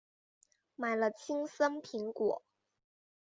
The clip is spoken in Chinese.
买了青森苹果